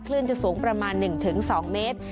คลื่นจะสูงประมาณ๑๒เมตร